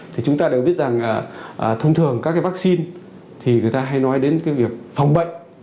thì chúng ta đều biết rằng thông thường các cái vaccine thì người ta hay nói đến cái việc phòng bệnh